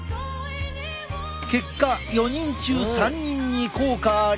結果４人中３人に効果あり。